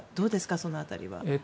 その辺りは。